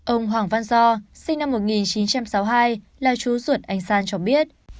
ông hoàng văn do sinh năm một nghìn chín trăm sáu mươi hai là chú ruột anh san cho biết